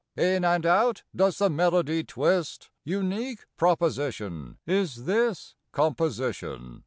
In and out does the melody twist Unique proposition Is this composition.